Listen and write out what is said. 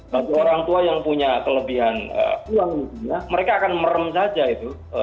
bagi orang tua yang punya kelebihan uang gitu ya mereka akan merem saja itu